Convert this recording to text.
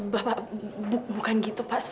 bapak bukan gitu pak